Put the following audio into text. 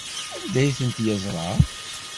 Anda ay ten-yeẓra?